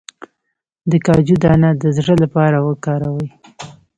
د کاجو دانه د زړه لپاره وکاروئ